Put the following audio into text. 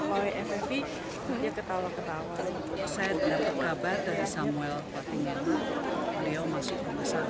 oh masih ketawa ketawa saya ceritain soal kita kami waktu itu masih diketahui ya nongkoy ffb